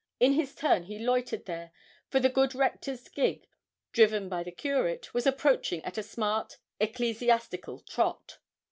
In his turn he loitered there, for the good Rector's gig, driven by the Curate, was approaching at a smart ecclesiastical trot.